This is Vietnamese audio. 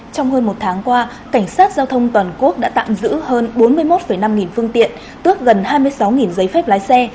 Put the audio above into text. trong hơn một tháng qua cảnh sát giao thông toàn quốc đã tạm giữ hơn bốn mươi một năm nghìn phương tiện tước gần hai mươi sáu giấy phép lái xe